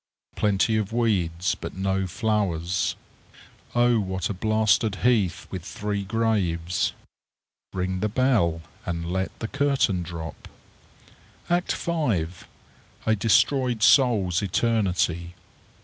Plenty of weeds, but no flowers. O what a blasted heath with three graves! Ring the bell, and let the curtain drop_. ACT V. _A destroyed soul's eternity.